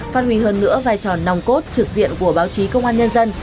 phát huy hơn nữa vai trò nòng cốt trực diện của báo chí công an nhân dân